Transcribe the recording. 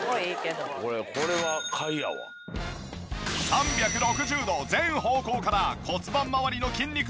３６０度全方向から骨盤まわりの筋肉にアプローチ。